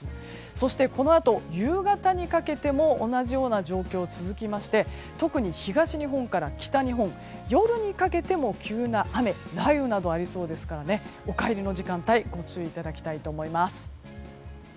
そして、このあと夕方にかけても同じような状況が続きまして特に東日本から北日本夜にかけても急な雨雷雨などありそうですからお帰りの時間帯ご注意いただきたいと思います。